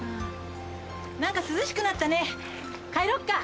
何か涼しくなったね帰ろっか。